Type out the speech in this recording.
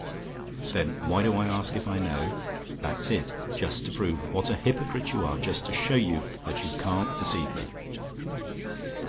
"THEN WHY DO I ASK IF I KNOW? "That's it: just to prove what a hypocrite you are: just to show you that you can't deceive me.